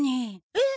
えっ？